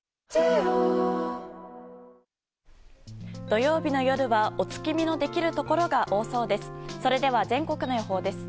土曜日の夜はお月見のできるところが多そうです。